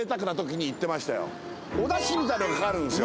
おダシみたいなのがかかるんですよ